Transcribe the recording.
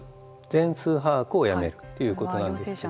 全数把握をやめるということなんですが。